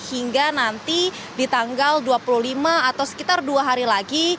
hingga nanti di tanggal dua puluh lima atau sekitar dua hari lagi